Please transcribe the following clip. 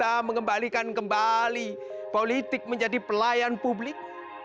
kita mengembalikan kembali politik menjadi pelayan publik